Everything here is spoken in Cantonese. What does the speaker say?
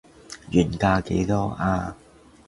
原價幾多啊